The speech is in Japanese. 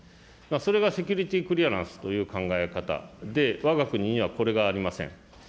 それがセキュリティークリアランスという考え方で、わが国にはこれがありません。